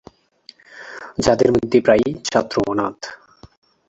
যাদের মধ্যে প্রায়ই ছাত্র অনাথ।